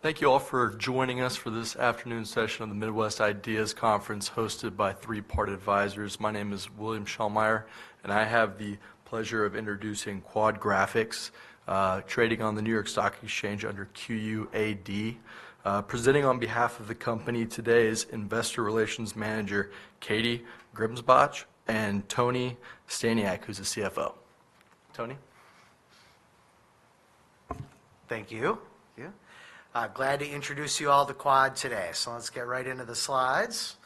Thank you all for joining us for this afternoon session on the Midwest IDEAS Conference, hosted by Three Part Advisors. My name is William Shelmire, and I have the pleasure of introducing Quad Graphics, trading on the New York Stock Exchange under QUAD. Presenting on behalf of the company today is Investor Relations Manager, Katie Krebsbach, and Tony Staniak, who's the CFO. Tony? Thank you. Yeah. Glad to introduce you all to Quad today. So let's get right into the slides.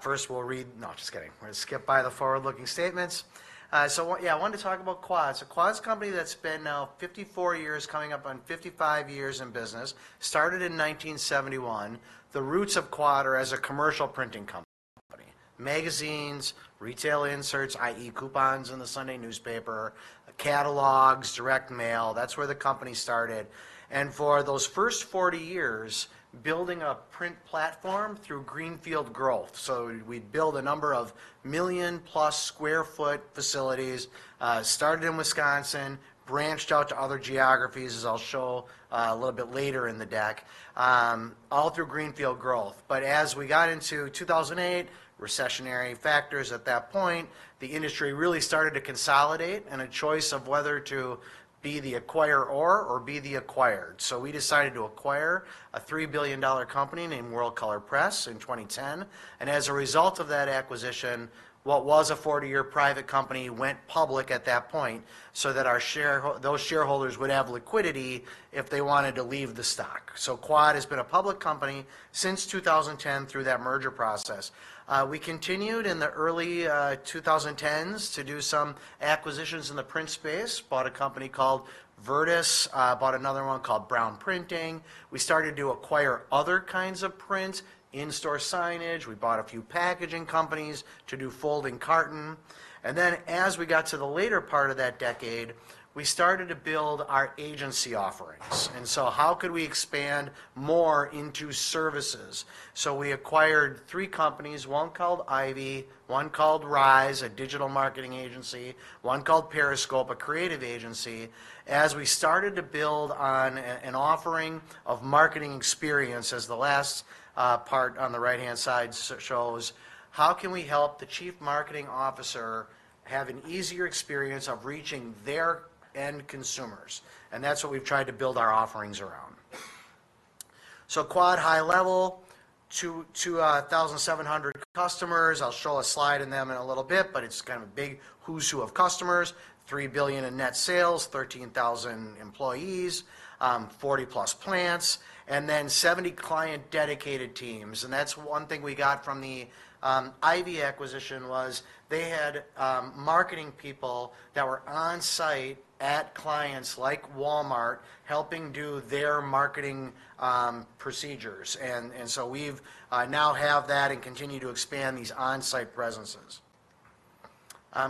First, we'll read-- No, just kidding. We're gonna skip by the forward-looking statements. So what-- Yeah, I wanted to talk about Quad. So Quad's a company that's been now 54 years, coming up on 55 years in business, started in 1971. The roots of Quad are as a commercial printing company. Magazines, retail inserts, i.e., coupons in the Sunday newspaper, catalogs, direct mail, that's where the company started, and for those first 40 years, building a print platform through greenfield growth. So we'd build a number of million-plus sq ft facilities, started in Wisconsin, branched out to other geographies, as I'll show, a little bit later in the deck, all through greenfield growth. But as we got into two 2008, recessionary factors at that point, the industry really started to consolidate, and a choice of whether to be the acquirer or be the acquired. So we decided to acquire a $3 billion company named World Color Press in 2010, and as a result of that acquisition, what was a 40-year private company went public at that point, so that our shareholders would have liquidity if they wanted to leave the stock. So Quad has been a public company since 2010 through that merger process. We continued in the early 2010 to do some acquisitions in the print space, bought a company called Vertis, bought another one called Brown Printing. We started to acquire other kinds of print, in-store signage. We bought a few packaging companies to do folding carton, and then as we got to the later part of that decade, we started to build our agency offerings. And so how could we expand more into services? So we acquired three companies, one called Ivie, one called Rise, a digital marketing agency, one called Periscope, a creative agency. As we started to build on an offering of marketing experience, as the last part on the right-hand side shows, how can we help the chief marketing officer have an easier experience of reaching their end consumers? And that's what we've tried to build our offerings around. So Quad, high level, 2,700 customers. I'll show a slide in them in a little bit, but it's kind of a big who's who of customers, $3 billion in net sales, 13,000 employees, 40+ plants, and then 70 client-dedicated teams. And that's one thing we got from the Ivie acquisition, was they had marketing people that were on-site at clients like Walmart, helping do their marketing procedures. And so we've now have that and continue to expand these on-site presences.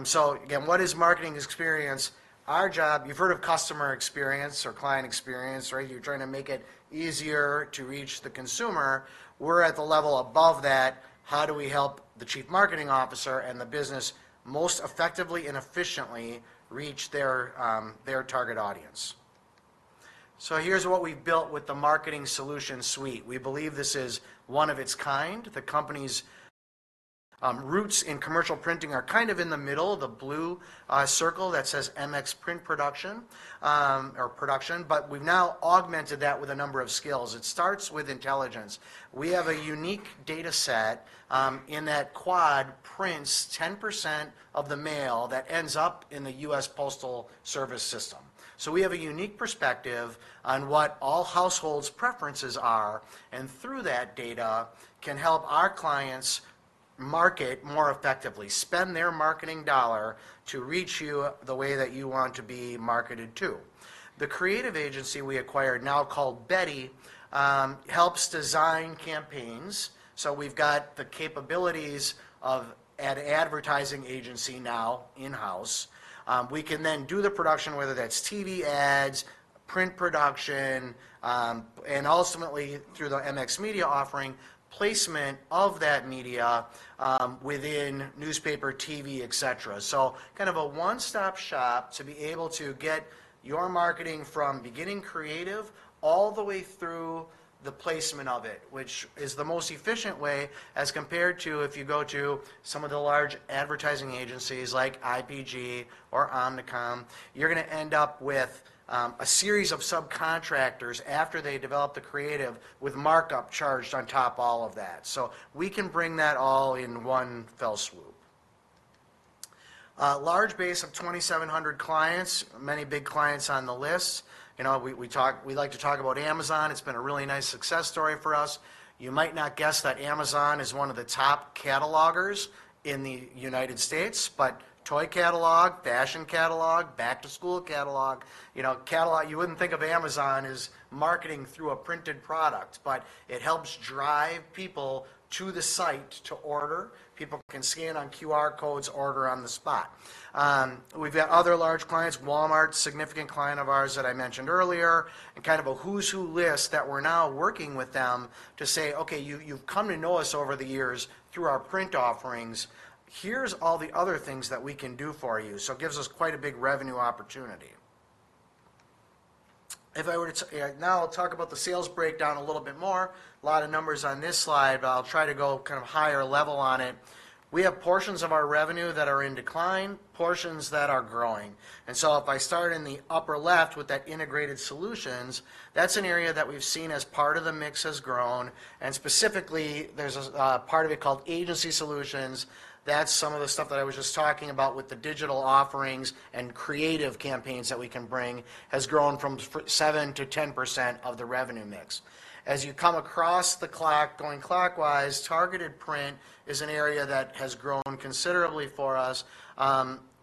So again, what is marketing experience? Our job... You've heard of customer experience or client experience, right? You're trying to make it easier to reach the consumer. We're at the level above that. How do we help the Chief Marketing Officer and the business most effectively and efficiently reach their target audience? So here's what we've built with the Marketing Solution Suite. We believe this is one of its kind. The company's roots in commercial printing are kind of in the middle, the blue circle that says MX Print Production or Production, but we've now augmented that with a number of skills. It starts with intelligence. We have a unique data set in that Quad prints 10% of the mail that ends up in the U.S. Postal Service system. So we have a unique perspective on what all households' preferences are, and through that data, can help our clients market more effectively, spend their marketing dollar to reach you the way that you want to be marketed to. The creative agency we acquired, now called Betty, helps design campaigns, so we've got the capabilities of an advertising agency now in-house. We can then do the production, whether that's TV ads, print production, and ultimately, through the MX Media offering, placement of that media within newspaper, TV, et cetera. So kind of a one-stop shop to be able to get your marketing from beginning creative all the way through the placement of it, which is the most efficient way as compared to if you go to some of the large advertising agencies like IPG or Omnicom, you're gonna end up with a series of subcontractors after they develop the creative, with markup charged on top all of that. So we can bring that all in one fell swoop. Large base of 2,700 clients, many big clients on the list. You know, we like to talk about Amazon. It's been a really nice success story for us. You might not guess that Amazon is one of the top catalogers in the United States, but toy catalog, fashion catalog, back-to-school catalog, you know, catalog. You wouldn't think of Amazon as marketing through a printed product, but it helps drive people to the site to order. People can scan on QR codes, order on the spot. We've got other large clients, Walmart, significant client of ours that I mentioned earlier, and kind of a who's who list that we're now working with them to say, "Okay, you, you've come to know us over the years through our print offerings. Here's all the other things that we can do for you." So it gives us quite a big revenue opportunity. If I were to now talk about the sales breakdown a little bit more, a lot of numbers on this slide, but I'll try to go kind of higher level on it. We have portions of our revenue that are in decline, portions that are growing. So if I start in the upper left with that integrated solutions, that's an area that we've seen as part of the mix has grown, and specifically, there's a part of it called agency solutions. That's some of the stuff that I was just talking about with the digital offerings and creative campaigns that we can bring, has grown from 7%-10% of the revenue mix. As you come across the clock, going clockwise, targeted print is an area that has grown considerably for us.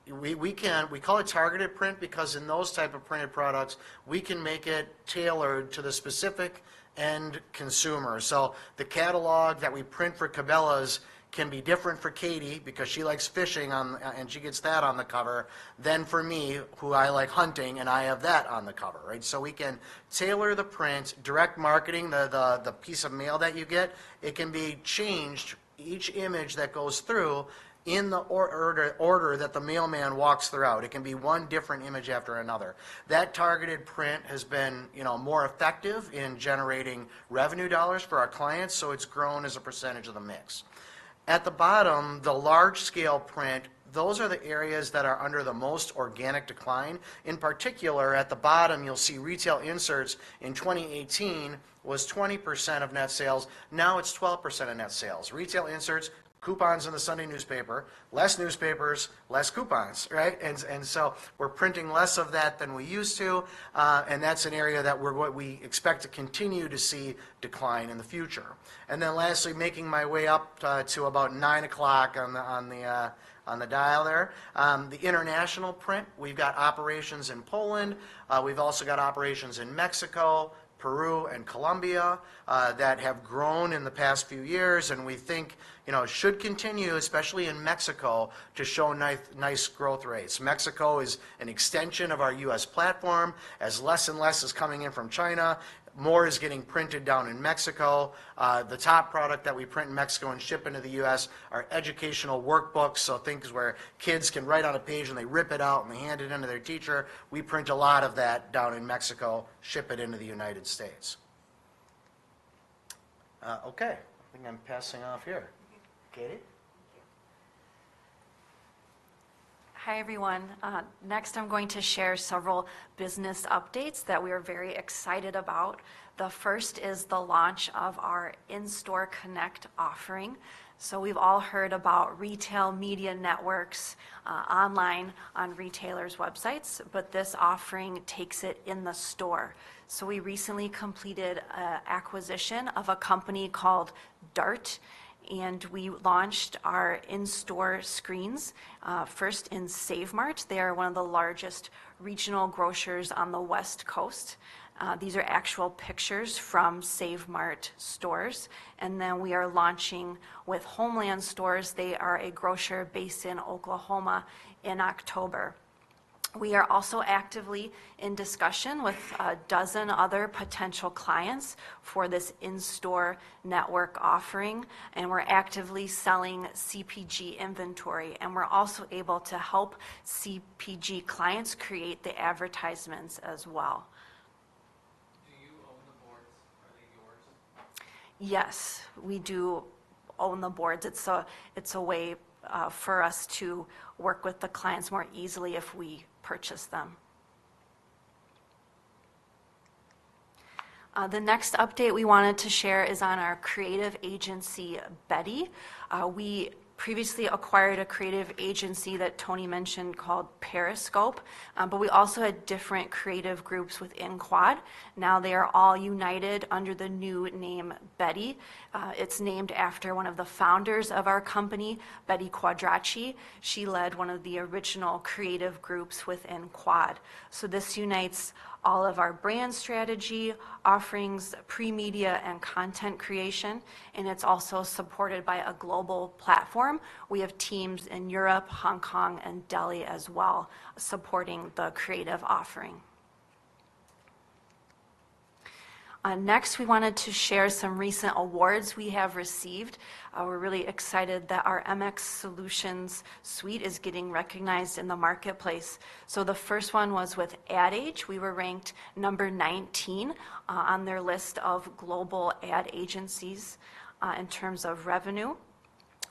We call it targeted print because in those type of printed products, we can make it tailored to the specific end consumer. So the catalog that we print for Cabela's can be different for Katie, because she likes fishing, and she gets that on the cover, than for me, who I like hunting, and I have that on the cover, right? So we can tailor the print, direct marketing, the piece of mail that you get, it can be changed, each image that goes through in the order that the mailman walks throughout. It can be one different image after another. That targeted print has been, you know, more effective in generating revenue dollars for our clients, so it's grown as a percentage of the mix. At the bottom, the large-scale print, those are the areas that are under the most organic decline. In particular, at the bottom, you'll see retail inserts in 2018 was 20% of net sales. Now it's 12% of net sales. Retail inserts, coupons in the Sunday newspaper, less newspapers, less coupons, right? And so we're printing less of that than we used to, and that's an area that we expect to continue to see decline in the future. And then lastly, making my way up to about nine o'clock on the dial there. The international print, we've got operations in Poland. We've also got operations in Mexico, Peru, and Colombia that have grown in the past few years, and we think, you know, should continue, especially in Mexico, to show nice growth rates. Mexico is an extension of our U.S. platform. As less and less is coming in from China, more is getting printed down in Mexico. The top product that we print in Mexico and ship into the U.S. are educational workbooks, so things where kids can write on a page, and they rip it out, and they hand it into their teacher. We print a lot of that down in Mexico, ship it into the United States. Okay, I think I'm passing off here. Thank you. Katie? Hi, everyone. Next, I'm going to share several business updates that we are very excited about. The first is the launch of our In-Store Connect offering. So we've all heard about retail media networks, online on retailers' websites, but this offering takes it in the store. So we recently completed a acquisition of a company called DART, and we launched our in-store screens, first in Save Mart. They are one of the largest regional grocers on the West Coast. These are actual pictures from Save Mart stores, and then we are launching with Homeland Stores. They are a grocer based in Oklahoma, in October. We are also actively in discussion with a dozen other potential clients for this in-store network offering, and we're actively selling CPG inventory, and we're also able to help CPG clients create the advertisements as well. Yes, we do own the boards. It's a way for us to work with the clients more easily if we purchase them. The next update we wanted to share is on our creative agency, Betty. We previously acquired a creative agency that Tony mentioned called Periscope, but we also had different creative groups within Quad. Now they are all united under the new name, Betty. It's named after one of the founders of our company, Betty Quadracci. She led one of the original creative groups within Quad. So this unites all of our brand strategy, offerings, pre-media, and content creation, and it's also supported by a global platform. We have teams in Europe, Hong Kong, and Delhi as well, supporting the creative offering. Next, we wanted to share some recent awards we have received. We're really excited that our MX Solutions suite is getting recognized in the marketplace. So the first one was with Ad Age. We were ranked number 19 on their list of global ad agencies in terms of revenue.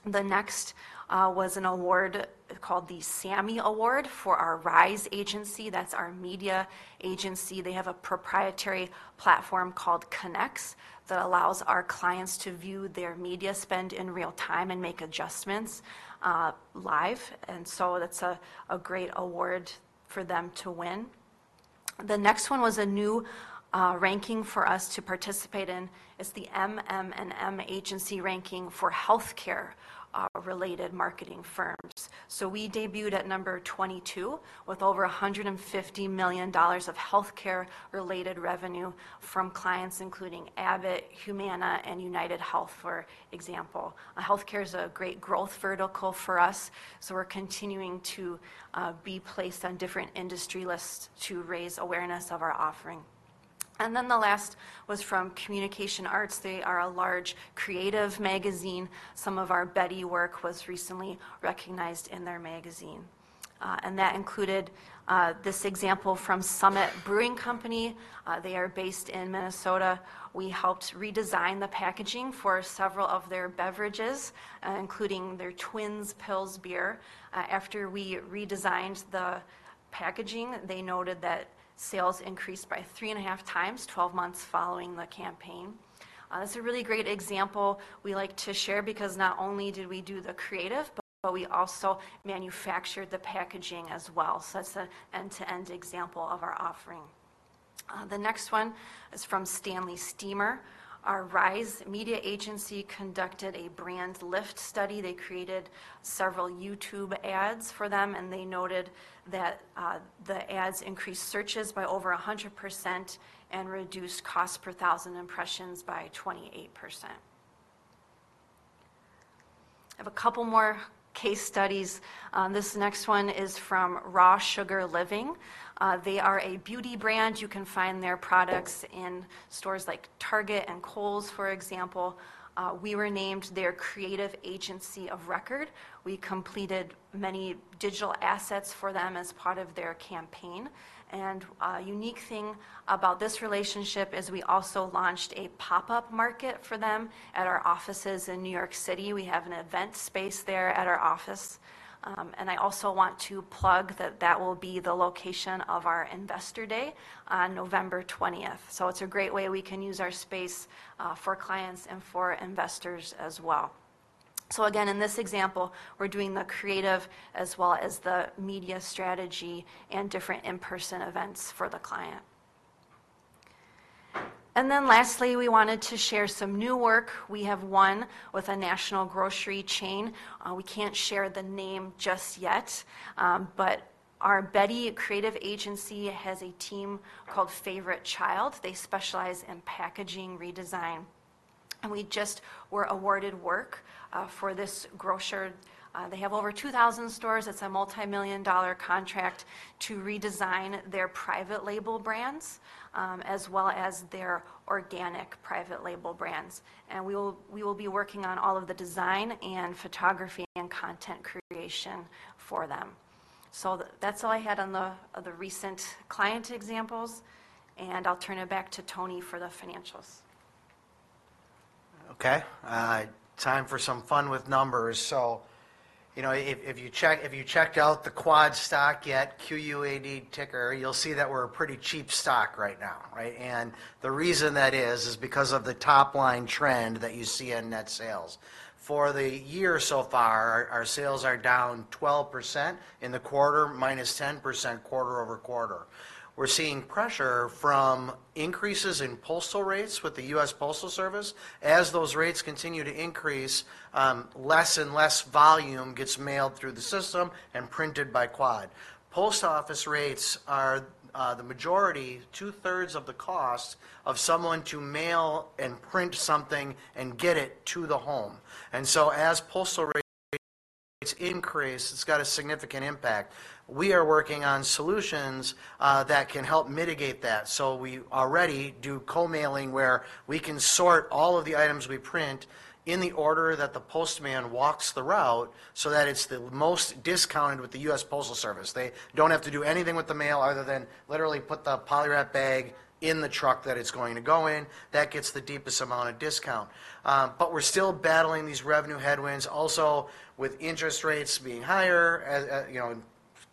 The next was an award called the SAMMY Award for our Rise agency. That's our media agency. They have a proprietary platform called Connex that allows our clients to view their media spend in real time and make adjustments live. And so that's a great award for them to win. The next one was a new ranking for us to participate in. It's the MM+M Agency ranking for healthcare related marketing firms. So we debuted at number 22 with over $150 million of healthcare-related revenue from clients, including Abbott, Humana, and UnitedHealth, for example. Healthcare is a great growth vertical for us, so we're continuing to be placed on different industry lists to raise awareness of our offering, and then the last was from Communication Arts. They are a large creative magazine. Some of our Betty work was recently recognized in their magazine, and that included this example from Summit Brewing Company. They are based in Minnesota. We helped redesign the packaging for several of their beverages, including their Twins Pils beer. After we redesigned the packaging, they noted that sales increased by 3.5x, 12 months following the campaign. That's a really great example we like to share because not only did we do the creative, but we also manufactured the packaging as well. So that's an end-to-end example of our offering. The next one is from Stanley Steemer. Our Rise media agency conducted a brand lift study. They created several YouTube ads for them, and they noted that the ads increased searches by over 100% and reduced cost per thousand impressions by 28%. I have a couple more case studies. This next one is from Raw Sugar Living. They are a beauty brand. You can find their products in stores like Target and Kohl's, for example. We were named their creative agency of record. We completed many digital assets for them as part of their campaign, and a unique thing about this relationship is we also launched a pop-up market for them at our offices in New York City. We have an event space there at our office. And I also want to plug that that will be the location of our Investor Day on November 20th. It's a great way we can use our space for clients and for investors as well. Again, in this example, we're doing the creative as well as the media strategy and different in-person events for the client. Then lastly, we wanted to share some new work. We have one with a national grocery chain. We can't share the name just yet, but our Betty creative agency has a team called Favorite Child. They specialize in packaging redesign, and we just were awarded work for this grocer. They have over 2,000 stores. It's a multimillion-dollar contract to redesign their private label brands as well as their organic private label brands. We will be working on all of the design and photography and content creation for them. So that's all I had on the recent client examples, and I'll turn it back to Tony for the financials. Okay, time for some fun with numbers. So, you know, if you checked out the Quad stock yet, QUAD ticker, you'll see that we're a pretty cheap stock right now, right? And the reason that is, is because of the top-line trend that you see in net sales. For the year so far, our sales are down 12% in the quarter, -10% quarter-over-quarter. We're seeing pressure from increases in postal rates with the U.S. Postal Service. As those rates continue to increase, less and less volume gets mailed through the system and printed by Quad. Post Office rates are the majority, two-thirds of the cost of someone to mail and print something and get it to the home. And so as postal rates increase, it's got a significant impact. We are working on solutions that can help mitigate that, so we already do co-mailing, where we can sort all of the items we print in the order that the postman walks the route so that it's the most discounted with the U.S. Postal Service. They don't have to do anything with the mail other than literally put the poly wrap bag in the truck that it's going to go in. That gets the deepest amount of discount, but we're still battling these revenue headwinds. Also, with interest rates being higher, as you know, and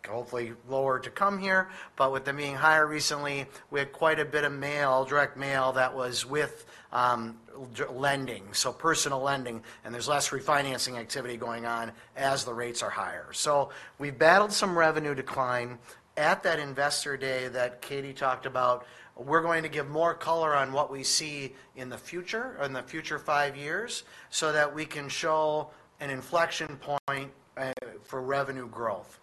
hopefully lower to come here, but with them being higher recently, we had quite a bit of mail, direct mail, that was with lending, so personal lending, and there's less refinancing activity going on as the rates are higher, so we've battled some revenue decline. At that investor day that Katie talked about, we're going to give more color on what we see in the future 5 years, so that we can show an inflection point for revenue growth.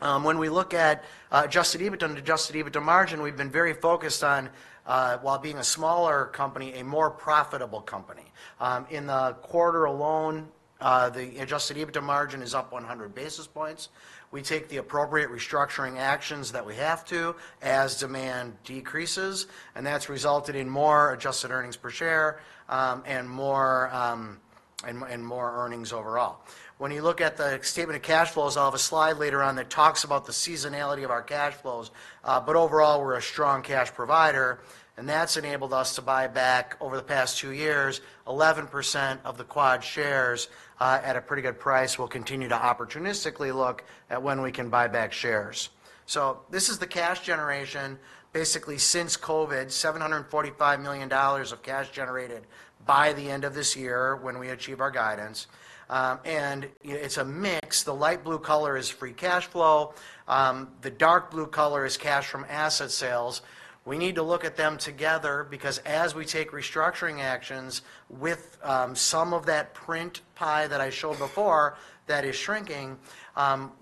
When we look at Adjusted EBITDA and Adjusted EBITDA margin, we've been very focused on, while being a smaller company, a more profitable company. In the quarter alone, the Adjusted EBITDA margin is up 100 basis points. We take the appropriate restructuring actions that we have to as demand decreases, and that's resulted in more adjusted earnings per share, and more and more earnings overall. When you look at the statement of cash flows, I'll have a slide later on that talks about the seasonality of our cash flows, but overall, we're a strong cash provider, and that's enabled us to buy back, over the past two years, 11% of the Quad shares, at a pretty good price. We'll continue to opportunistically look at when we can buy back shares. So this is the cash generation, basically since COVID, $745 million of cash generated by the end of this year when we achieve our guidance, and it's a mix. The light blue color is free cash flow, the dark blue color is cash from asset sales. We need to look at them together because as we take restructuring actions with, some of that print pie that I showed before that is shrinking,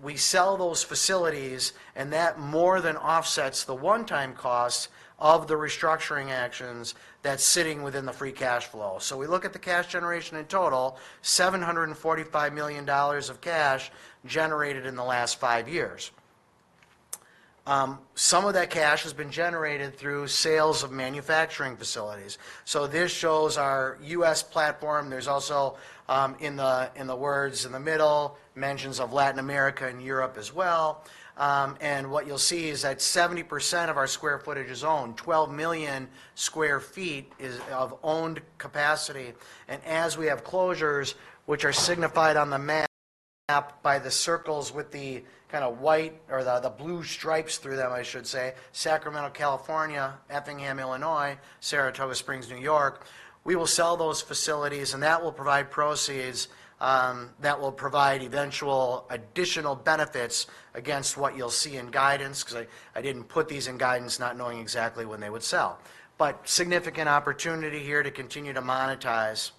we sell those facilities, and that more than offsets the one-time cost of the restructuring actions that's sitting within the free cash flow. So we look at the cash generation in total, $745 million of cash generated in the last 5 years. Some of that cash has been generated through sales of manufacturing facilities. So this shows our U.S. platform. There's also, in the words in the middle, mentions of Latin America and Europe as well. And what you'll see is that 70% of our square footage is owned. 12 million sq ft is of owned capacity. And as we have closures, which are signified on the map by the circles with the kind of white or the blue stripes through them, I should say, Sacramento, California, Effingham, Illinois, Saratoga Springs, New York, we will sell those facilities, and that will provide proceeds that will provide eventual additional benefits against what you'll see in guidance, 'cause I didn't put these in guidance, not knowing exactly when they would sell. But significant opportunity here to continue to monetize.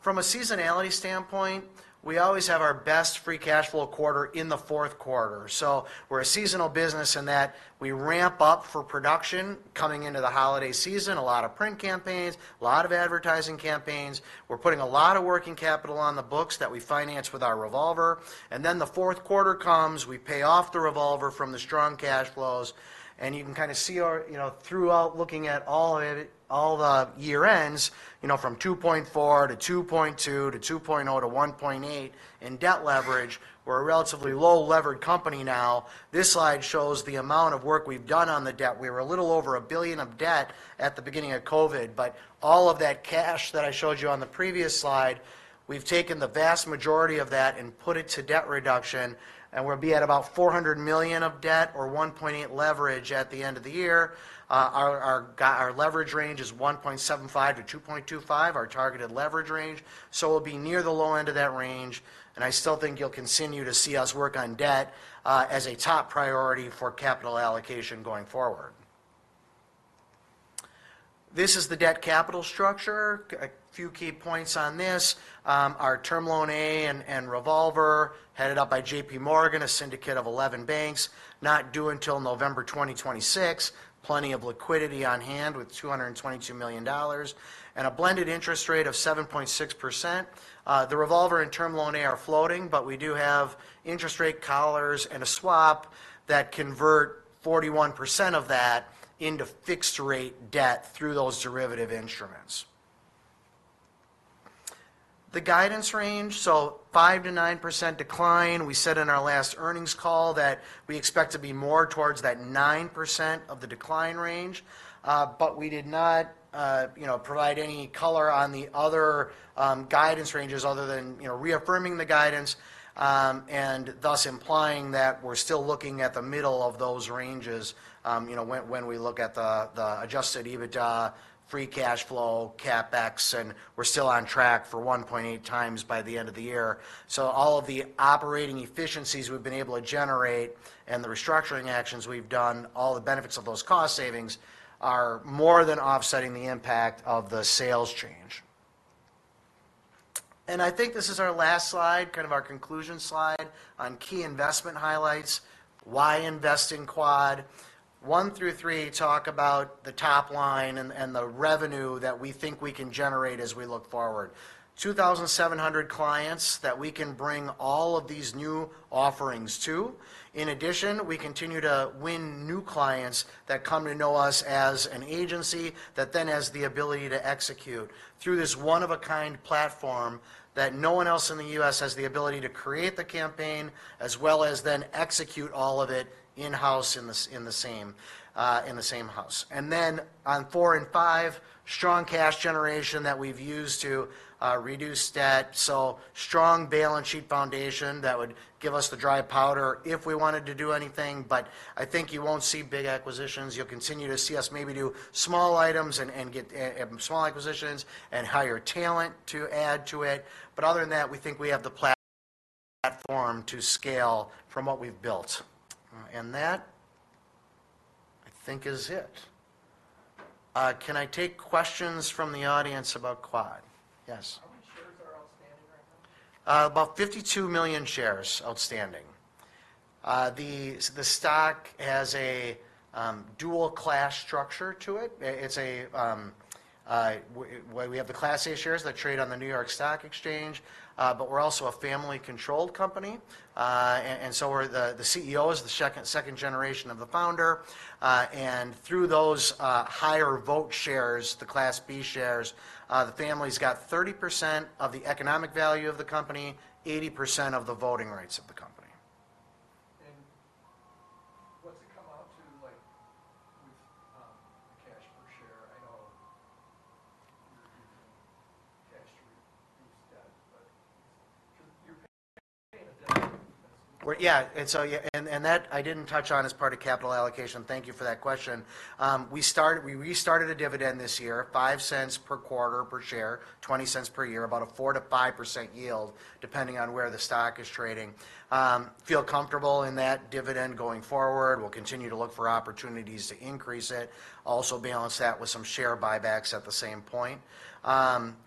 From a seasonality standpoint, we always have our best free cash flow quarter in the fourth quarter, so we're a seasonal business in that we ramp up for production coming into the holiday season, a lot of print campaigns, a lot of advertising campaigns. We're putting a lot of working capital on the books that we finance with our revolver, and then the fourth quarter comes, we pay off the revolver from the strong cash flows, and you can kind of see our, you know, throughout looking at all the year ends, you know, from 2.4 to 2.2, to 2.0, to 1.8 in debt leverage. We're a relatively low-levered company now. This slide shows the amount of work we've done on the debt. We were a little over $1 billion of debt at the beginning of COVID, but all of that cash that I showed you on the previous slide, we've taken the vast majority of that and put it to debt reduction, and we'll be at about $400 million of debt or 1.8 leverage at the end of the year. Our leverage range is 1.75-2.25, our targeted leverage range, so we'll be near the low end of that range, and I still think you'll continue to see us work on debt as a top priority for capital allocation going forward. This is the debt capital structure. A few key points on this. Our Term Loan A and revolver, headed up by J.P. Morgan, a syndicate of 11 banks, not due until November 2026. Plenty of liquidity on hand with $222 million, and a blended interest rate of 7.6%. The revolver and Term Loan A are floating, but we do have interest rate collars and a swap that convert 41% of that into fixed rate debt through those derivative instruments. The guidance range, so 5%-9% decline. We said in our last earnings call that we expect to be more towards that 9% of the decline range, but we did not, you know, provide any color on the other, guidance ranges other than, you know, reaffirming the guidance, and thus implying that we're still looking at the middle of those ranges, you know, when we look at the Adjusted EBITDA, free cash flow, CapEx, and we're still on track for 1.8x by the end of the year. So all of the operating efficiencies we've been able to generate and the restructuring actions we've done, all the benefits of those cost savings are more than offsetting the impact of the sales change. I think this is our last slide, kind of our conclusion slide on key investment highlights. Why invest in Quad? One through three talk about the top line and the revenue that we think we can generate as we look forward. 2,700 clients that we can bring all of these new offerings to. In addition, we continue to win new clients that come to know us as an agency that then has the ability to execute through this one-of-a-kind platform that no one else in the U.S. has the ability to create the campaign, as well as then execute all of it in-house in the same house. And then on four and five, strong cash generation that we've used to reduce debt. So strong balance sheet foundation that would give us the dry powder if we wanted to do anything, but I think you won't see big acquisitions. You'll continue to see us maybe do small items and get small acquisitions and hire talent to add to it. But other than that, we think we have the platform to scale from what we've built. And that, I think, is it. Can I take questions from the audience about Quad? Yes. About 52 million shares outstanding. The stock has a dual class structure to it. We have the Class A shares that trade on the New York Stock Exchange, but we're also a family-controlled company, and so the CEO is the second generation of the founder, and through those higher vote shares, the Class B shares, the family's got 30% of the economic value of the company, 80% of the voting rights of the company. Yeah, and that I didn't touch on as part of capital allocation. Thank you for that question. We restarted a dividend this year, $0.05 per quarter per share, $0.20 per year, about a 4%-5% yield, depending on where the stock is trading. We feel comfortable in that dividend going forward. We'll continue to look for opportunities to increase it. Also balance that with some share buybacks at the same point.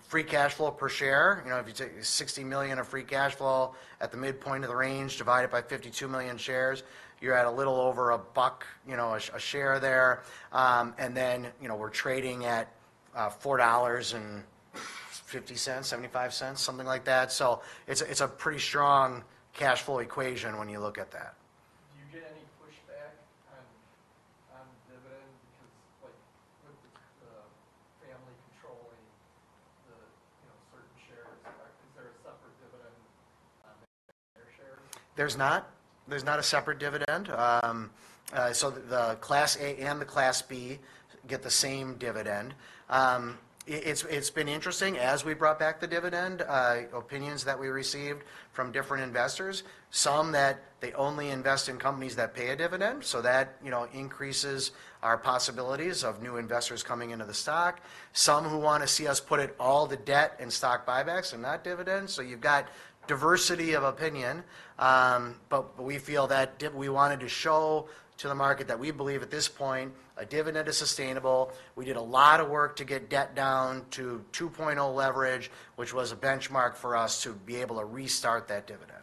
Free cash flow per share, you know, if you take 60 million of free cash flow at the midpoint of the range, divide it by 52 million shares, you're at a little over $1, you know, a share there. And then, you know, we're trading at $4.50-$4.75, something like that. So it's a pretty strong cash flow equation when you look at that. Do you get any pushback on dividend? Because, like, with the family controlling the, you know, certain shares, like, is there a separate dividend on their shares? There's not. There's not a separate dividend. So the Class A and the Class B get the same dividend. It's been interesting, as we brought back the dividend, opinions that we received from different investors. Some that they only invest in companies that pay a dividend, so that, you know, increases our possibilities of new investors coming into the stock. Some who want to see us put it all the debt in stock buybacks and not dividends, so you've got diversity of opinion. But we feel that we wanted to show to the market that we believe, at this point, a dividend is sustainable. We did a lot of work to get debt down to 2.0 leverage, which was a benchmark for us to be able to restart that dividend.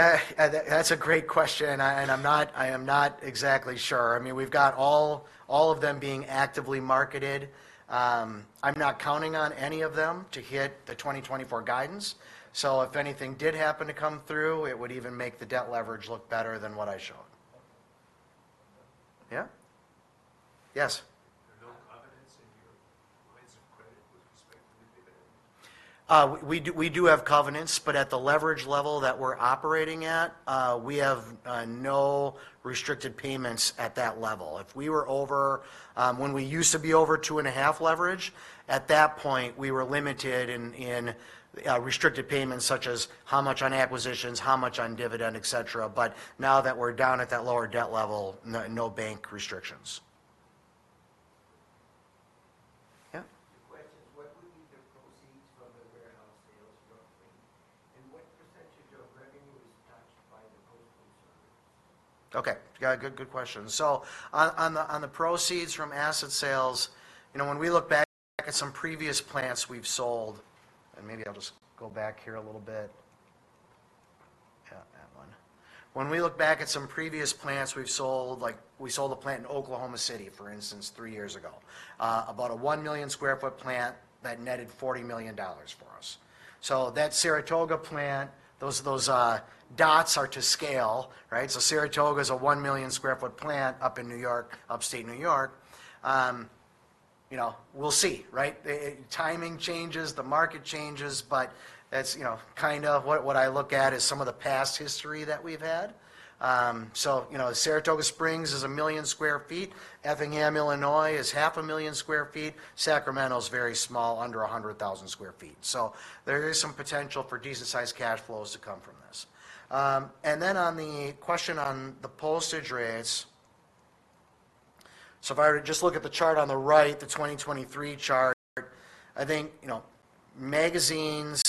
When do you think you're gonna close on those, the sales of those plants? That, that's a great question, and I'm not exactly sure. I mean, we've got all of them being actively marketed. I'm not counting on any of them to hit the 2024 guidance, so if anything did happen to come through, it would even make the debt leverage look better than what I showed. Yeah? Yes. We do have covenants, but at the leverage level that we're operating at, we have no restricted payments at that level. If we were over two and a half leverage, when we used to be over two and a half leverage, at that point, we were limited in restricted payments, such as how much on acquisitions, how much on dividend, et cetera. But now that we're down at that lower debt level, no bank restrictions. Yeah? The question is, what would be the proceeds from the warehouse sales roughly, and what Okay. Yeah, good, good question. So on the proceeds from asset sales, you know, when we look back at some previous plants we've sold. And maybe I'll just go back here a little bit. Yeah, that one. When we look back at some previous plants we've sold, like we sold a plant in Oklahoma City, for instance, 3 years ago, about a 1 million sq ft plant that netted $40 million for us. So that Saratoga Springs plant, those dots are to scale, right? So Saratoga is a 1 million sq ft plant up in New York, upstate New York. You know, we'll see, right? The timing changes, the market changes, but that's, you know, kind of what I look at is some of the past history that we've had. So, you know, Saratoga Springs is 1 million sq ft. Effingham, Illinois, is 500,000 sq ft. Sacramento is very small, under 100,000 sq ft. So there is some potential for decent-sized cash flows to come from this. And then on the question on the postage rates, so if I were to just look at the chart on the right, the 2023 chart, I think, you know, magazines,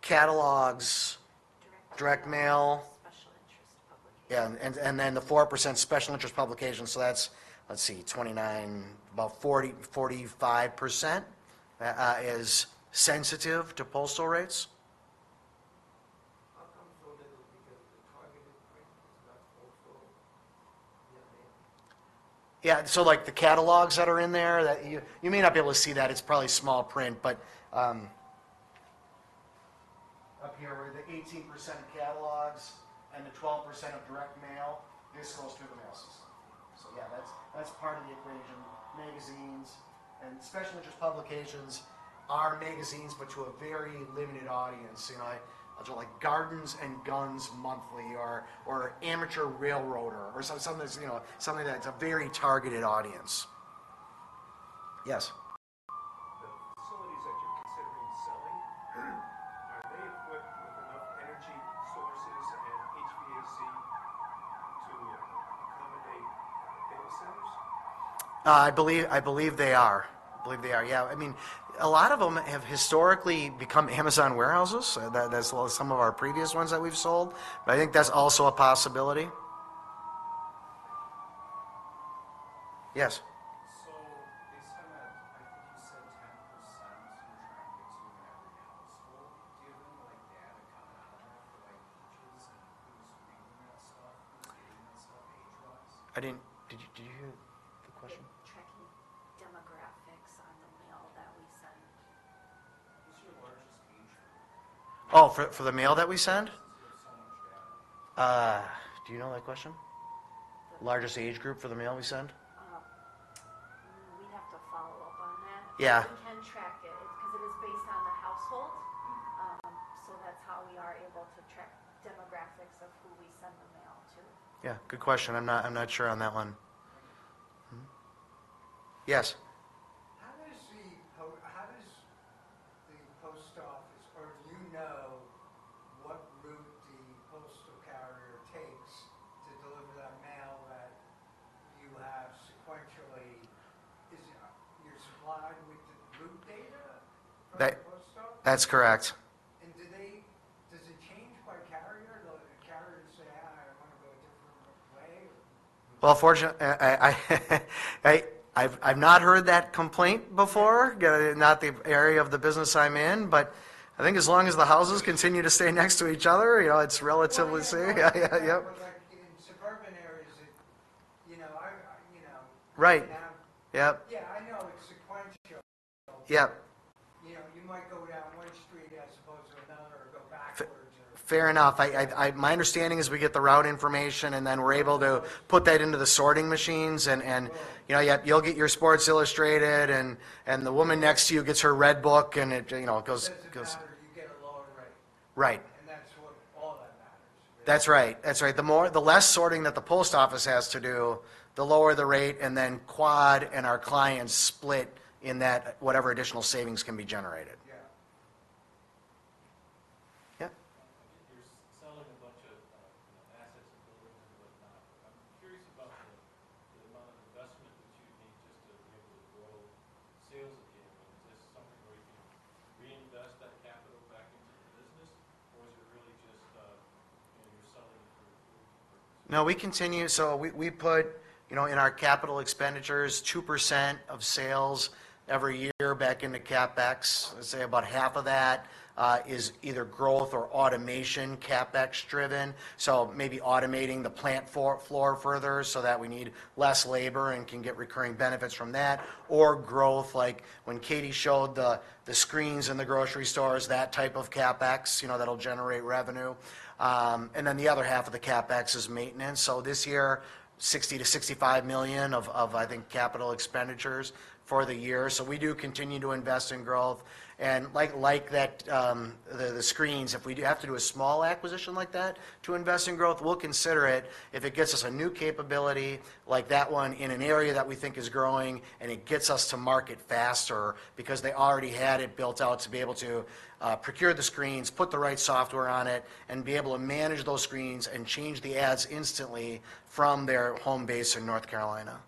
catalogs- Direct mail. Special interest publications. Yeah, and then the 4% special interest publications, so that's, let's see, 29, about 40%-45% is sensitive to postal rates. Yeah, so, like, the catalogs that are in there, that you... You may not be able to see that. It's probably small print, but up here, where the 18% of catalogs and the 12% of direct mail, this goes through the mail system. So yeah, that's part of the equation. Magazines and special interest publications are magazines, but to a very limited audience. You know, I like Garden & Gun monthly or Amateur Railroader or something, you know, something that's a very targeted audience. Yes. The facilities that you're considering selling, are they equipped with enough energy sources and HVAC I believe they are. Yeah, I mean, a lot of them have historically become Amazon warehouses. That's some of our previous ones that we've sold, but I think that's also a possibility. Yes. So they said that, I think you said 10% you're trying to get to in every household. Do you have, like, data coming out that, like, reaches and who's reading that stuff, doing that stuff, age-wise? Did you hear the question? They're tracking demographics Oh, for the mail that we send? Do you know that question? The- Largest age group for the mail we send? Yeah. We can track it, because it is based on the household. So that's how we are able to track demographics of who we send the mail to. Yeah, good question. I'm not, I'm not sure on that one. Hmm. Yes. How does the post office or do you know what route the postal carrier takes to deliver that mail that you have sequentially? Is it, you're supplied with the route data? That- That's correct. And do they, does it change by carrier? The carrier? Fortunately, I've not heard that complaint before. Again, not the area of the business I'm in, but I think as long as the houses continue to stay next to each other, you know, it's relatively safe. Yeah, yeah. Yep. Right. Yep. Yep. You know, you might go down one street as opposed to another or go backwards or- Fair enough. My understanding is we get the route information, and then we're able to put that into the sorting machines, and, and- You know, yeah, you'll get your Sports Illustrated, and the woman next to you gets her Redbook, and it, you know, it goes, goes- Right. That's right. That's right. The more, the less sorting that the post office has to do, the lower the rate, and then Quad and our clients split in that, whatever additional savings can be generated. Yeah. Yeah? You're selling a bunch of assets and buildings and whatnot. I'm curious about the amount of investment that you need just to be able to grow sales again. Is this something where you can reinvest that capital back into the business? Or is it really just, you know, you're selling it to- No, we continue. So we put, you know, in our capital expenditures, 2% of sales every year back into CapEx. Let's say about half of that is either growth or automation, CapEx-driven. So maybe automating the plant floor further so that we need less labor and can get recurring benefits from that, or growth, like when Katie showed the screens in the grocery stores, that type of CapEx, you know, that'll generate revenue. And then the other half of the CapEx is maintenance. So this year, $60 million-$65 million of, I think, capital expenditures for the year. So we do continue to invest in growth, and like that, the screens, if we do have to do a small acquisition like that to invest in growth, we'll consider it. If it gets us a new capability like that one in an area that we think is growing, and it gets us to market faster because they already had it built out to be able to procure the screens, put the right software on it, and be able to manage those screens and change the ads instantly from their home base in North Carolina.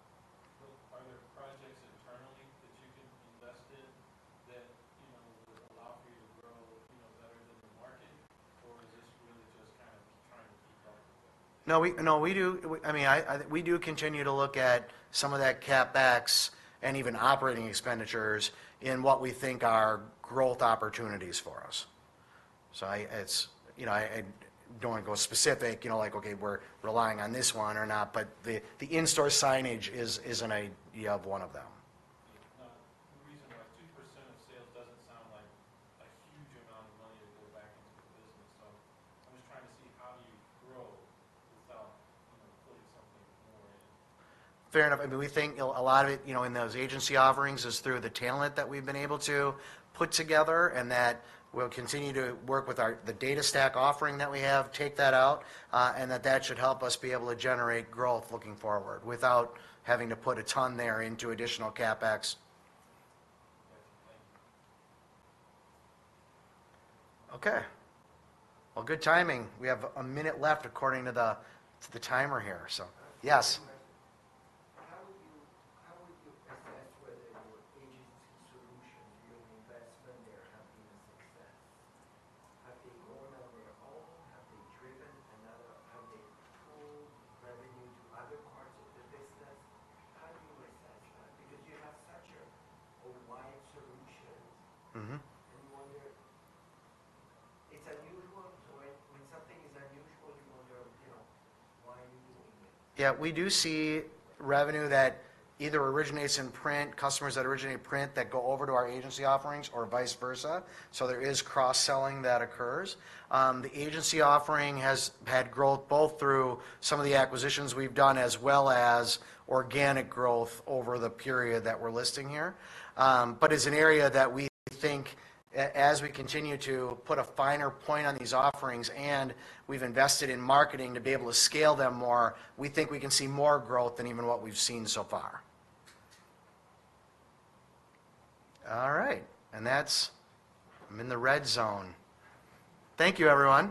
you know, would allow for you to grow, you know, better than the market? Or is this really just kind of trying to keep up? No, we do. I mean, we do continue to look at some of that CapEx and even operating expenditures in what we think are growth opportunities for us. So, it's, you know, I don't want to go specific, you know, like, okay, we're relying on this one or not, but the in-store signage is one of them. Now, the reason why 2% of sales doesn't sound like a huge amount of money to go back into the business. So I'm just trying to see how do you grow Fair enough. I mean, we think a lot of it, you know, in those agency offerings is through the talent that we've been able to put together, and that we'll continue to work with our, the data stack offering that we have, take that out, and that should help us be able to generate growth looking forward, without having to put a ton there into additional CapEx. Yeah. Thank you. Okay. Well, good timing. We have a minute left, according to the timer here, so... Yes? as we continue to put a finer point on these offerings, and we've invested in marketing to be able to scale them more, we think we can see more growth than even what we've seen so far. All right, and that's... I'm in the red zone. Thank you, everyone.